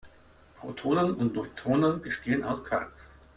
Protonen und Neutronen bestehen aus Quarks.